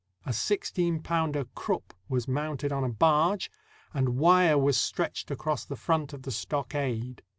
A sixteen pounder Krupp was mounted on a barge, and wire was stretched across the front of the stockade.